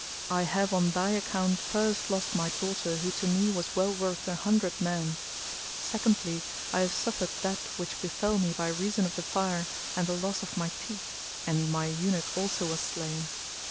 I have on thy account first lost my daughter who to me was well worth an hundred men, secondly I have suffered that which befel me by reason of the fire and the loss of my teeth, and my Eunuch also was slain.